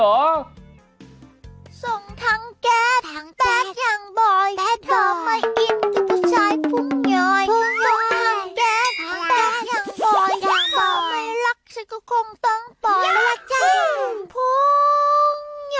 ทางแก๊บแป๊บอย่างบ่อยทำไมอิ่งจังกุชชายพุ้งยอย